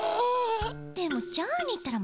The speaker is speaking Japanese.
でもジャーニーったら